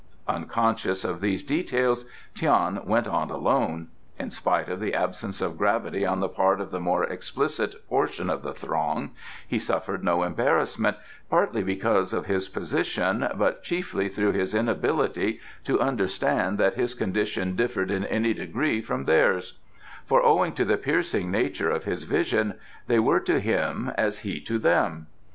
Unconscious of these details, Tian went on alone. In spite of the absence of gravity on the part of the more explicit portion of the throng he suffered no embarrassment, partly because of his position, but chiefly through his inability to understand that his condition differed in any degree from theirs; for, owing to the piercing nature of his vision, they were to him as he to them.